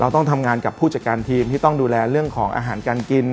ต้องทำงานกับผู้จัดการทีมที่ต้องดูแลเรื่องของอาหารการกิน